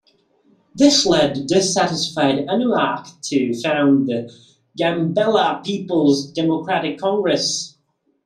This led dissatisfied Anuak to found the "Gambella People's Democratic Congress".